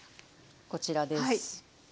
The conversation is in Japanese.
こちらです。